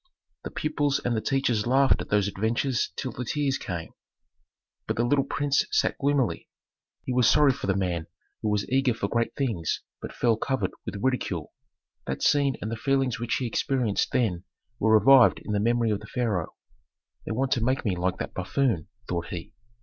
The pupils and the teachers laughed at those adventures till the tears came; but the little prince sat gloomily; he was sorry for the man who was eager for great things but fell covered with ridicule. That scene and the feelings which he experienced then were revived in the memory of the pharaoh. "They want to make me like that buffoon," thought he.